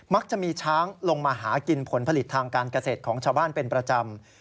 จะมีช้างลงมาหากินผลผลิตทางการเกษตรของชาวบ้านเป็นประจำ